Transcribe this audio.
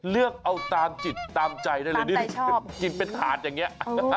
เลือกเอาตามจิตตามใจได้เลยนี่ดิตามใจชอบกินเป็นถาดอย่างเงี้ย